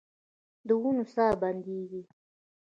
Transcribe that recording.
د ونو ساه بندیږې